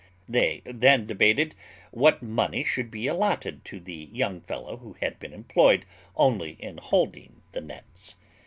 They then debated what money should be allotted to the young fellow who had been employed only in holding the nets.